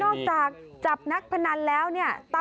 โอ๊ย